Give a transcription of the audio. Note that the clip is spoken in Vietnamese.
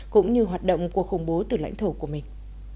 cũng như hoạt động của khủng bố từ lãnh thổ của mình